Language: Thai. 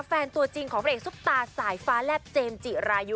ตัวจริงของพระเอกซุปตาสายฟ้าแลบเจมส์จิรายุ